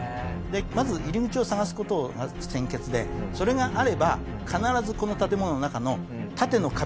まず入り口を探す事が先決でそれがあれば必ずこの建物の中の縦の壁か天井裏